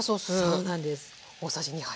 そうなんです。